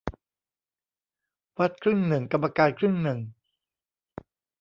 วัดครึ่งหนึ่งกรรมการครึ่งหนึ่ง